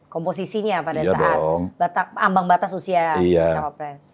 komposisinya pada saat ambang batas usia cawapres